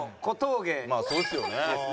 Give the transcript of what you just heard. まあそうですよね。